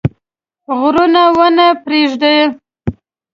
غرونه ونه پرېږده.